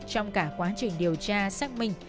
trong cả quá trình điều tra xác minh